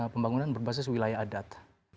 pembangunan berbasis wilayah adat